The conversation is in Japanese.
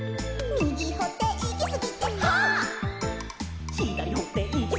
「みぎいっていきすぎて」